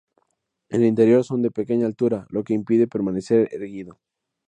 En el interior son de pequeña altura lo que impide permanecer erguido.